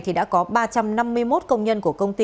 thì đã có ba trăm năm mươi một công nhân của công ty